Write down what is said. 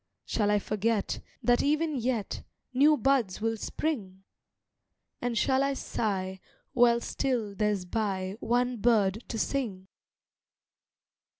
Shall I forget, that even yet New buds will spring? And shall I sigh while still there's by One bird to sing?